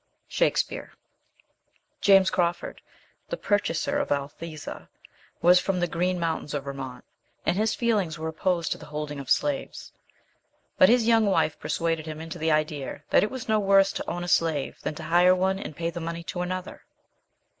Shakespeare. JAMES CRAWFORD, the purchaser of Althesa, was from the green mountains of Vermont, and his feelings were opposed to the holding of slaves. But his young wife persuaded him into the idea that it was no worse to own a slave than to hire one and pay the money to another.